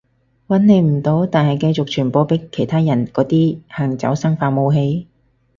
搵你唔到但係繼續傳播畀其他人嗰啲行走生化武器？